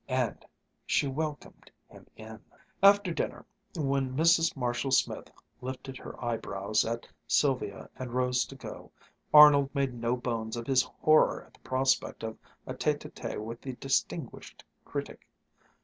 and she welcomed him in. After dinner, when Mrs. Marshall Smith lifted her eyebrows at Sylvia and rose to go, Arnold made no bones of his horror at the prospect of a tête à tête with the distinguished critic.